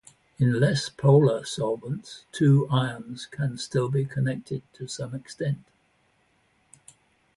In less polar solvents two ions can still be connected to some extent.